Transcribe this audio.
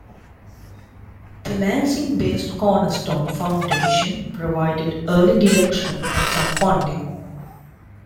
The Lansing-based Cornerstone Foundation provided early direction and some funding.